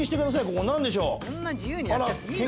ここなんでしょう？